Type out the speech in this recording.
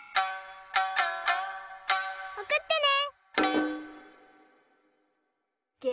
おくってね！